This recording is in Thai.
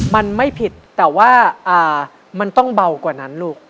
มันไม่ผิดแต่ว่ามันต้องเบากว่านั้นลูก